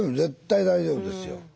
絶対大丈夫ですよ。